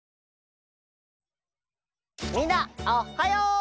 みんなおっはよ！